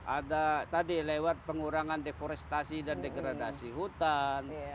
ada tadi lewat pengurangan deforestasi dan degradasi hutan